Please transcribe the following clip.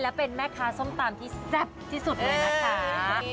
และเป็นแม่ค้าส้มตำที่แซ่บที่สุดเลยนะคะ